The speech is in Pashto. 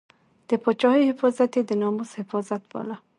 د پاچاهۍ حفاظت یې د ناموس حفاظت باله.